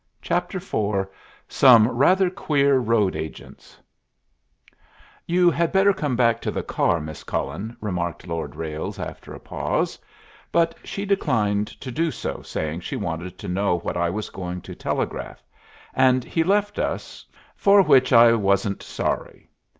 CHAPTER IV SOME RATHER QUEER ROAD AGENTS "You had better come back to the car, Miss Cullen," remarked Lord Ralles, after a pause. But she declined to do so, saying she wanted to know what I was going to telegraph; and he left us, for which I wasn't sorry.